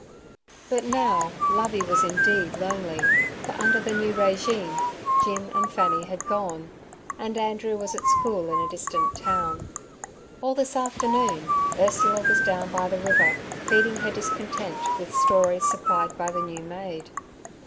But now Lovey was indeed lonely, for under the new régime Jim and Fanny had gone, and Andrew was at school in a distant town. All this afternoon Ursula was down by the river feeding her discontent with stories supplied by the new maid.